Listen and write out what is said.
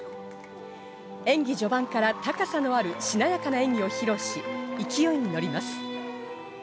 演技序盤から高さのあるしなやかな演技を披露し、勢いに乗ります。